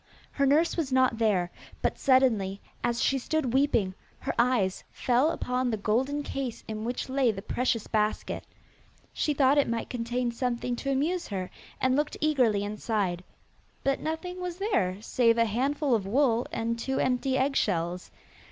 Her nurse was not there, but suddenly, as she stood weeping, her eyes fell upon the golden case in which lay the precious basket. She thought it might contain something to amuse her, and looked eagerly inside, but nothing was there save a handful of wool and two empty eggshells.